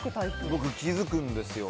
僕気づくんですよ。